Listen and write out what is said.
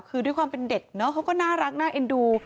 คือด้วยความเป็นเด็กเนอะเขาก็น่ารักน่าเอ็นดู